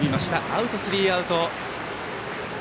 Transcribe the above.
アウト、スリーアウト。